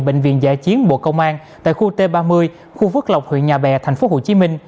bệnh viện giã chiến bộ công an tại khu t ba mươi khu phước lộc huyện nhà bè tp hcm